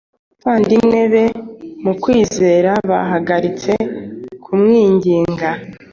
abavandimwe be mu kwizera bahagaritse kumwinginga